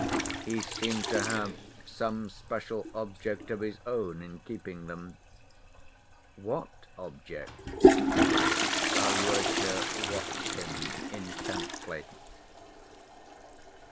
He seemed to have some special object of his own in keeping them. What object? Alyosha watched him intently.